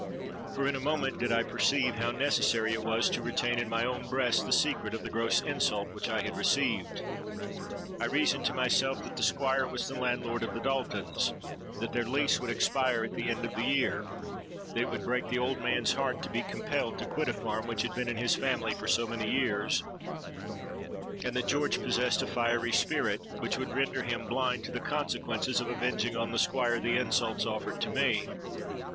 For, in a moment, did I perceive how necessary it was to retain in my own breast the secret of the gross insult which I had received. I reasoned to myself that the Squire was the landlord of the Daltons—that their lease would expire at the end of the year—that it would break the old man's heart to be compelled to quit a farm which had been in his family for so many years—and that George possessed a fiery spirit, which would render him blind to the consequences of avenging on the Squire the insults offered to me.